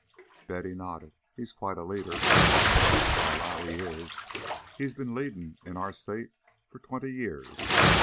Betty nodded. "He's quite a leader." "I allow he is. He's been leadin' in our State fur twenty years.